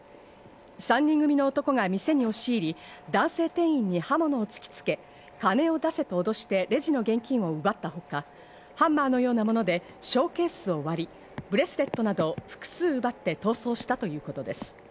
３人組の男が店に押し入り、男性店員に刃物を突きつけ、金を出せとおどして、レジの現金を奪ったほか、ハンマーのようなもので、ショーケースを割り、ブレスレットなどを複数奪って逃走したということです。